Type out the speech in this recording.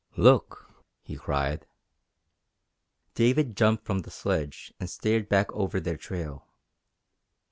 "Look!" he cried. David jumped from the sledge and stared back over their trail.